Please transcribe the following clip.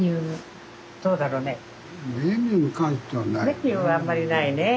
メニューはあんまりないねえ。